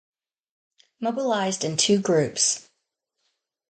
Mobilized in two groups.